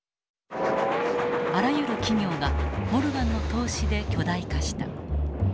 あらゆる企業がモルガンの投資で巨大化した。